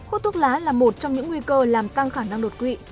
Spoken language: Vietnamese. hút thuốc lá là một trong những nguy cơ làm tăng khả năng đột quỵ